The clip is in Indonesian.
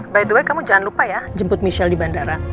btw kamu jangan lupa ya jemput michelle di bandara